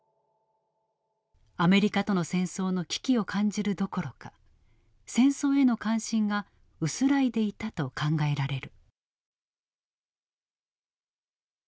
アメリカとの戦争の危機を感じるどころか戦争への関心が薄らいでいたと考えられる。